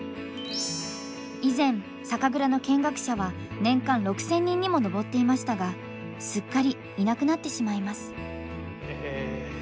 以前酒蔵の見学者は年間６，０００人にも上っていましたがすっかりいなくなってしまいます。